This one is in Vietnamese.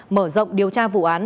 mở rộng điều tra vụ án